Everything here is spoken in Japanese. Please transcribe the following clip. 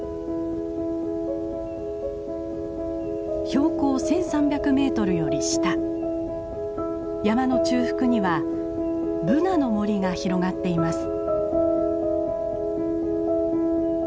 標高１，３００メートルより下山の中腹にはブナの森が広がっています。